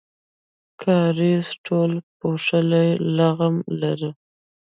کاریز ټول پوښلی لغم و.